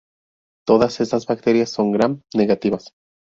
Todas estas bacterias son Gram negativas.